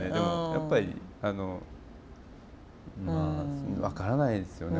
やっぱりあのまあ分からないですよね